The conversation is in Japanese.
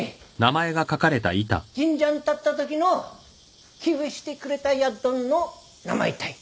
神社ん建ったときの寄付してくれたやっどんの名前たい。